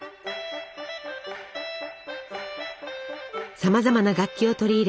さまざまな楽器を取り入れ